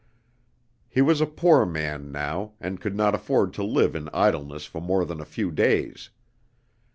He was a poor man now, and could not afford to live in idleness for more than a few days.